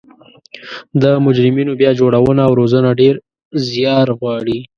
د مجرمینو بیا جوړونه او روزنه ډیر ځیار غواړي